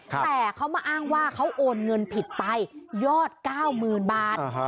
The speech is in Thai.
แต่เขามาอ้างว่าเขาโอนเงินผิดไปยอด๙๐๐๐บาท